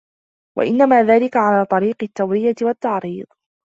وَإِنَّمَا ذَلِكَ عَلَى طَرِيقِ التَّوْرِيَةِ وَالتَّعْرِيضِ